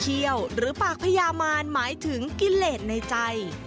ี่ยวหรือปากพญามานหมายถึงกิเลสในใจ